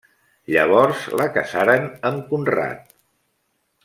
Llavors la casaren amb Conrad.